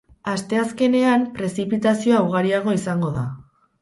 Asteazkenean, prezipitazioa ugariagoa izango da.